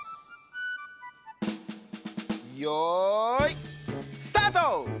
よいスタート！